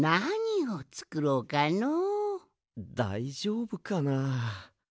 だいじょうぶかな。